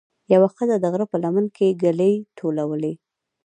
یوه ښځه د غره په لمن کې ګلې ټولولې.